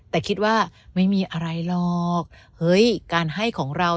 แต่คิดว่าไม่มีอะไรหรอกเฮ้ยการให้ของเรา